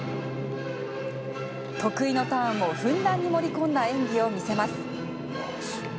得意のターンもふんだんに盛り込んだ演技を見せます。